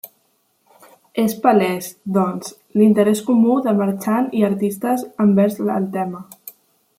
És palès, doncs, l'interès comú de marxant i artista envers el tema.